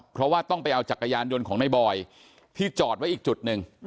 เพราะว่าต้องไปเอาจักรยานยนต์ของในบอยที่จอดไว้อีกจุดหนึ่ง